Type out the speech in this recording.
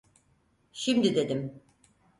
Şimdi dedim!